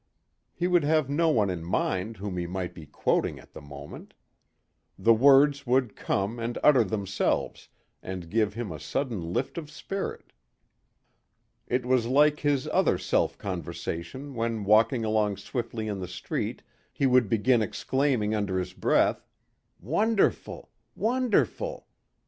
He would have no one in mind whom he might be quoting at the moment. The words would come and utter themselves and give him a sudden lift of spirit. It was like his other self conversation when walking along swiftly in the street he would begin exclaiming under his breath, "Wonderful ... wonderful